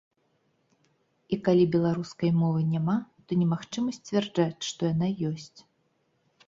І калі беларускай мовы няма, то немагчыма сцвярджаць, што яна ёсць.